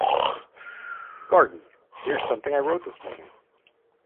Garden: "Here's something I wrote this morning".